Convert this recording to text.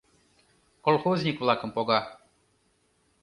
Колхозник-влакым пога.